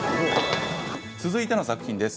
続いての作品です。